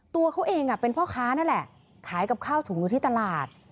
ตัวเขาเองเป็นพ่อค้านั่นแหละขายกับข้าวถุงอยู่ที่ตลาด